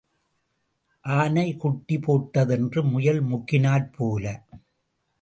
ஆனை குட்டி போட்டதென்று முயல் முக்கினாற்போல.